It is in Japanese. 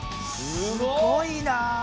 すごいなあ！